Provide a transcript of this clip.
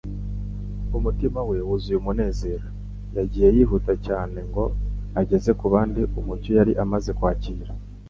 Umutima we wuzuye umunezero, yagiye yihuta cyane, ngo ageze ku bandi umucyo yari amaze kwakira.